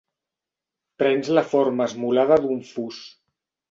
Prens la forma esmolada d'un fus.